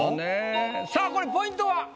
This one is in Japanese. さあこれポイントは？